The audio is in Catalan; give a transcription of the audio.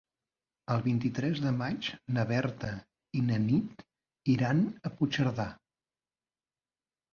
El vint-i-tres de maig na Berta i na Nit iran a Puigcerdà.